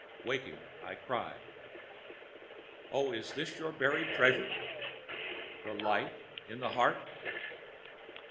Waking, I cry "Oh, is this your buried treasure? The light in the heart."